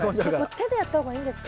手でやった方がいいんですか？